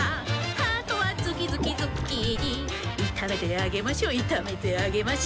「ハートはズキズキズッキーニ」「いためてあげましょいためてあげましょ」